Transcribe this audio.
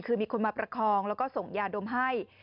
คือมีคนมาประคองแล้วก็ส่งยาดมให้